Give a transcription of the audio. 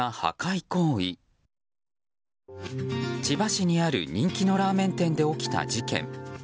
千葉市にある人気のラーメン店で起きた事件。